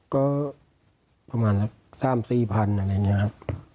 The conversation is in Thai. ก็ประมาณ๓๔พันธุ์อะไรเนี่ยครับ